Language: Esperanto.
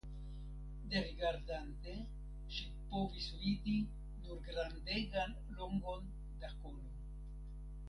Derigardante, ŝi povis vidi nur grandegan longon da kolo.